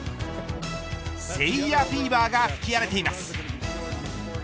誠也フィーバーが吹き荒れています。